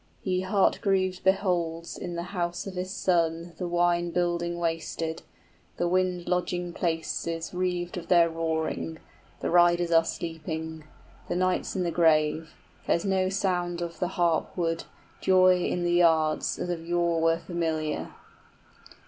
He heart grieved beholds in the house of his son the Wine building wasted, the wind lodging places Reaved of their roaring; the riders are sleeping, 65 The knights in the grave; there's no sound of the harp wood, Joy in the yards, as of yore were familiar.